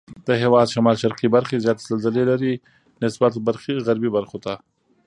د هېواد شمال شرقي برخې زیاتې زلزلې لري نسبت غربي برخو ته.